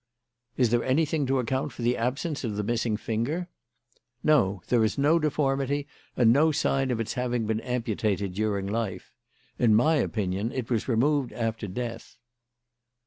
"Is there anything to account for the absence of the missing finger?" "No. There is no deformity and no sign of its having been amputated during life. In my opinion it was removed after death."